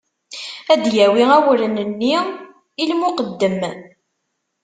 Ad d-yawi awren-nni i lmuqeddem.